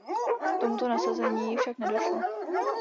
K tomuto nasazení však nedošlo.